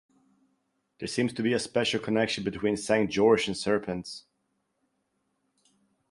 There seems to be a special connection between St. George and serpents.